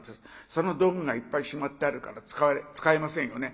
その道具がいっぱいしまってあるから使えませんよね。